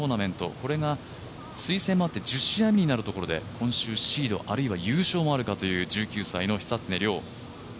これが推薦もあって１０試合目になるところで、今週シードあるいは優勝もあるかという１９歳の久常涼。